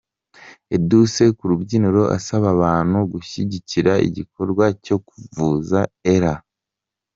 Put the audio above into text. Edouce ku rubyiniro asaba abantu gushyigikira igikorwa cyo kuvuza Ella.